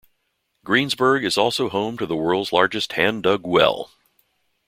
Greensburg is also home to the world's largest hand-dug well.